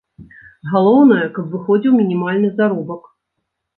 Галоўнае, каб выходзіў мінімальны заробак.